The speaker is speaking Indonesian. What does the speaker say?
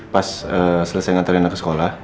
pas selesai ngantarin anak ke sekolah